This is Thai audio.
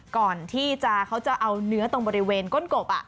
ก่อนที่เขาจะเอาเนื้อตรงบริเวณก้นกบ